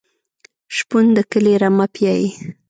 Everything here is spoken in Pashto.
شپون د کلي رمه پیایي.